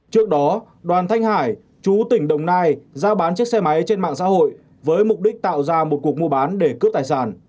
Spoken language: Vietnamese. trước đó đoàn thanh hải chú tỉnh đồng nai giao bán chiếc xe máy trên mạng xã hội với mục đích tạo ra một cuộc mua bán để cướp tài sản